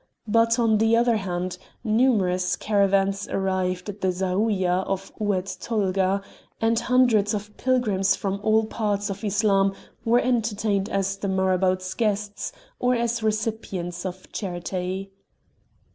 But on the other hand, numerous caravans arrived at the Zaouïa of Oued Tolga, and hundreds of pilgrims from all parts of Islam were entertained as the marabout's guests, or as recipients of charity.